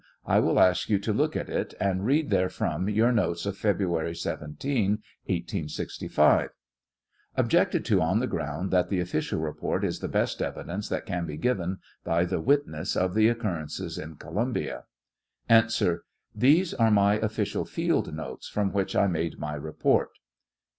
I will ask you to look at it, and read therefrom your notes of February 17, 1865 ? [Objected to on the ground that the official report is the best evidence that can be given by the witness of the occurrences in Columbia.] 34 A. These are my official field notes, from which I made my report.